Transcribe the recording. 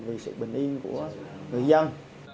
vì sự bình yên của người dân